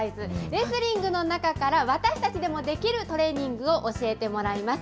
レスリングの中から私たちでもできるトレーニングを教えてもらいます。